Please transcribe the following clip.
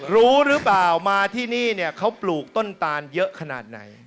รู้หรือเปล่ามาที่นี่เนี่ยเขาปลูกต้นตานเยอะขนาดไหน